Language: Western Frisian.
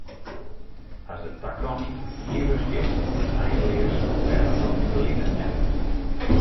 As de takomst ivich is en einleas, wêrom dan it ferline net?